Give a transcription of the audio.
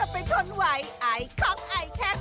ไปทนไหวไอ้คล็อกไอ้แท๊ก